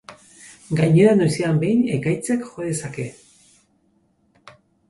Gainera noizean behin ekaitzak jo dezake.